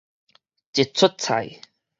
一齣菜